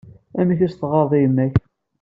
Amek i s-teɣɣareḍ i yemma-k?